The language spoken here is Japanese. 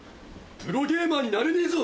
プロゲーマーになれねえぞ！